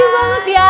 thank you banget ya